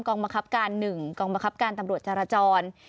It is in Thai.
กองบังคับการหนึ่งกองบังคับการตำรวจจรจร